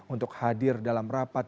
untuk hadir dalam rapat